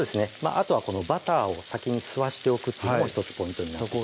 あとはこのバターを先に吸わしておくっていうのも１つポイントになりますね